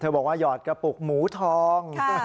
บอกว่าหยอดกระปุกหมูทอง